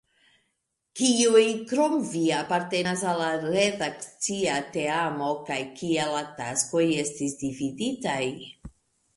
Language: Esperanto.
Kiuj krom vi apartenas al la redakcia teamo, kaj kiel la taskoj estas dividitaj?